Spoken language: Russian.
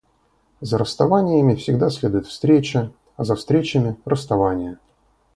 За расставаниями всегда следует встреча, а за встречами — расставания.